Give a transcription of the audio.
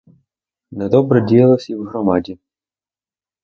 Недобре діялось і в громаді.